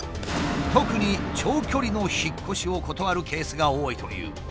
特に長距離の引っ越しを断るケースが多いという。